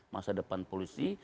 masa depan polri